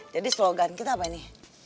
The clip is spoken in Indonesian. jadi slogan kita apa ini